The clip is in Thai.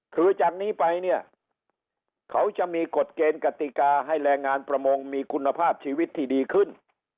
คือจากนี้ไปเนี่ยเขาจะมีกฎเกณฑ์กติกาให้แรงงานประมงมีคุณภาพชีวิตที่ดีขึ้น